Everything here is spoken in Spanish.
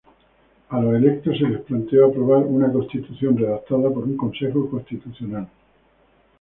A los electores se les planteó aprobar una constitución redactada por un Consejo Constitucional.